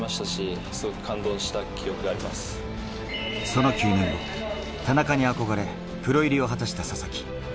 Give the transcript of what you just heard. その９年後、田中に憧れ、プロ入りを果たした佐々木。